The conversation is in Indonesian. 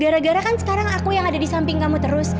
gara gara kan sekarang aku yang ada di samping kamu terus